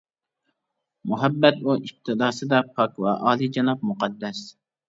مۇھەببەت ئۇ ئىپتىداسىدا پاك ۋە ئالىيجاناب، مۇقەددەس.